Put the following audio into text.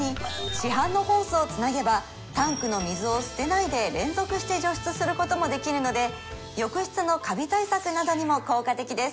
市販のホースをつなげばタンクの水を捨てないで連続して除湿することもできるので浴室のカビ対策などにも効果的です